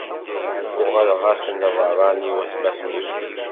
Uɣaleɣ-asen d aberrani i watmaten-iw.